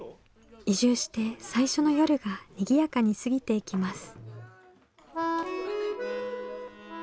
移住して最初の夜がにぎやかに過ぎていきます。